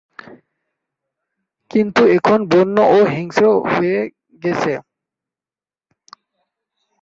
কিন্তু এখন বন্য ও হিংস্র হয়ে গেছে।